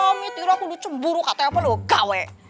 amitiraku di cemburu kata apa lu gawe